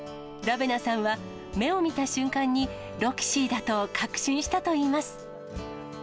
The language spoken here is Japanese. ラベナさんは、目を見た瞬間に、ロキシーだと確信したといいます。